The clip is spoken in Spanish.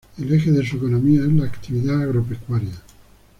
El eje de su economía es la actividad agropecuaria.